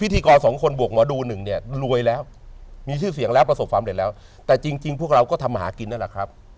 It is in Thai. แต่จริงพวกเราก็ทำหากิ้นน่ะล่ะครับ